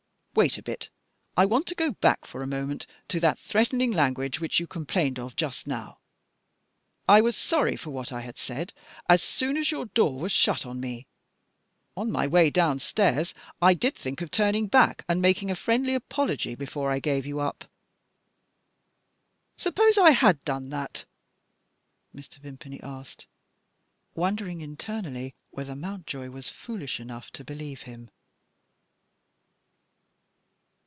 Wait a bit; I want to go back for a moment to that threatening language which you complained of just now. I was sorry for what I had said as soon as your door was shut on me. On my way downstairs I did think of turning back and making a friendly apology before I gave you up. Suppose I had done that?" Mr. Vimpany asked, wondering internally whether Mountjoy was foolish enough to believe him.